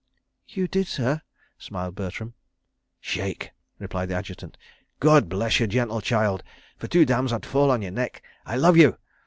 "You did, sir," smiled Bertram. "Shake," replied the Adjutant. "God bless you, gentle child. For two damns, I'd fall on your neck. I love you.